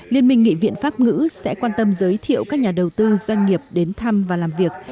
liên minh nghị viện pháp ngữ sẽ quan tâm giới thiệu các nhà đầu tư doanh nghiệp đến thăm và làm việc